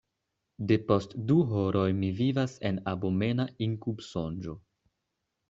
Depost du horoj mi vivas en abomena inkubsonĝo.